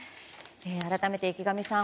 改めて、池上さん